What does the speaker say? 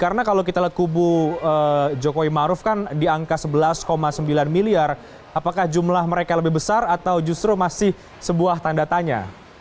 karena kalau kita lihat kubu jokowi maruf kan di angka sebelas sembilan miliar apakah jumlah mereka lebih besar atau justru masih sebuah tanda tanya